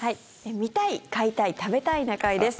「見たい買いたい食べたいな会」です。